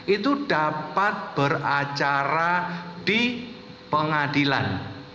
itu dapat beracara di pengadilan